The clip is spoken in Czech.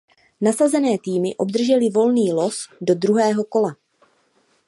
Nasazené týmy obdržely volný los do druhého kola.